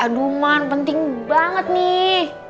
aduh man penting banget nih